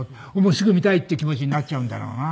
すぐ見たい！っていう気持ちになっちゃうんだろうな。